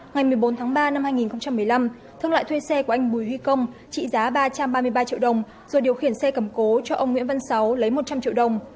ngày một mươi bốn tháng ba năm hai nghìn một mươi năm thương lại thuê xe của anh bùi huy công trị giá ba trăm ba mươi ba triệu đồng rồi điều khiển xe cầm cố cho ông nguyễn văn sáu lấy một trăm linh triệu đồng